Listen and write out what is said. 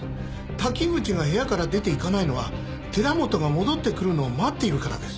滝口が部屋から出ていかないのは寺本が戻ってくるのを待っているからです。